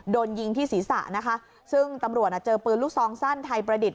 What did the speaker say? โดนยิงที่ศีรษะนะคะซึ่งตำรวจอ่ะเจอปืนลูกซองสั้นไทยประดิษฐ